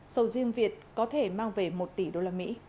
sầu riêng việt có thể mang về một tỷ usd